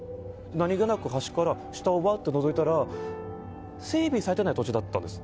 何気なく下をのぞいたら整備されてない土地だったんです。